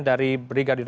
dari brigadir suarez